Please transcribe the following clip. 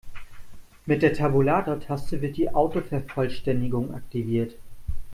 Mit der Tabulatortaste wird die Autovervollständigung aktiviert.